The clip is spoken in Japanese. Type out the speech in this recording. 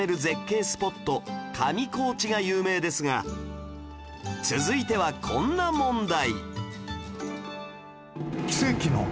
スポット上高地が有名ですが続いてはこんな問題